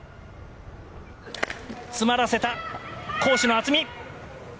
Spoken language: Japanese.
詰まらせた、好守の渥美。